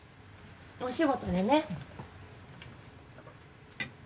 お仕事でね。